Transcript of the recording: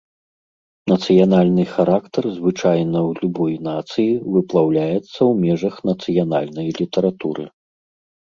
Нацыянальны характар звычайна ў любой нацыі выплаўляецца ў межах нацыянальнай літаратуры.